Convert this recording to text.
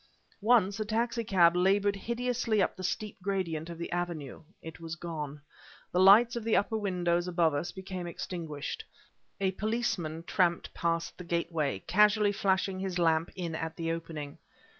Once, a taxi cab labored hideously up the steep gradient of the avenue ... It was gone. The lights at the upper windows above us became extinguished. A policeman tramped past the gateway, casually flashing his lamp in at the opening.